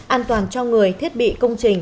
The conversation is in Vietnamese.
an toàn cho người thiết bị công trình